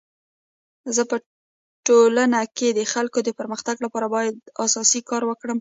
زه په ټولنه کي د خلکو د پرمختګ لپاره باید اساسي کار وکړم.